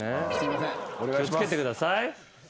気を付けてください。